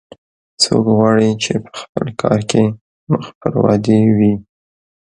څوک غواړي چې په خپل کار کې مخ پر ودې وي